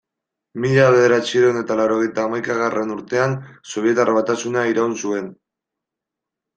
Mila bederatziehun eta laurogeita hamaikagarren urtean Sobietar Batasuna iraun zuen.